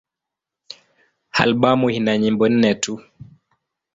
Albamu ina nyimbo nne tu.